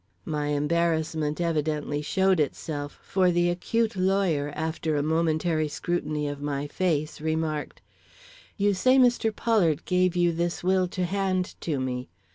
My embarrassment evidently showed itself, for the acute lawyer, after a momentary scrutiny of my face, remarked: "You say Mr. Pollard gave you this will to hand to me.